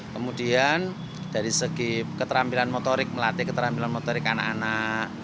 kemudian dari segi keterampilan motorik melatih keterampilan motorik anak anak